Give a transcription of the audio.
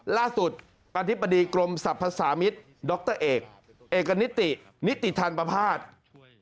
ล่าสุดอธิบดีกรมสรรพสามิตรดรเอกเอกนิตินิติธัณฑ์ประภาษา